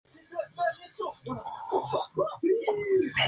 Cuando un jugador se cae fuera de la acera, pasarán a la siguiente calle.